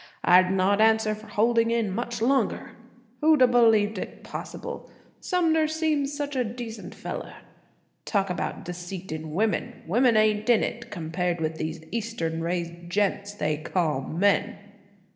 I'd not answer for holding in much longer. "Who'd have believed it possible! Sumner seems such a decent feller. Talk about deceit in women! Women ain't in it compared with these Eastern raised gents they call men!"